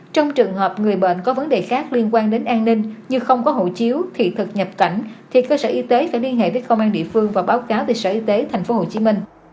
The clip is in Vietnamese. trong trường hợp người bệnh có vấn đề khác liên quan đến an ninh như không có hộ chiếu thị thực nhập cảnh thì cơ sở y tế sẽ liên hệ với công an địa phương và báo cáo về sở y tế tp hcm